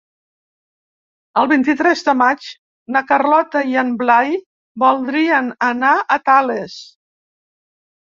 El vint-i-tres de maig na Carlota i en Blai voldrien anar a Tales.